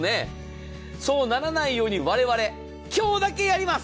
そうならないように我々、今日だけやります！